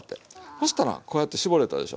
そしたらこうやって絞れたでしょ。